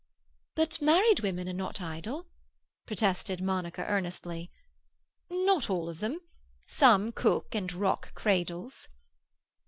"But married woman are not idle," protested Monica earnestly. "Not all of them. Some cook and rock cradles."